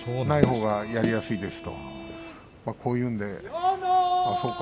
ないほうがやりやすいですとこう言うんで。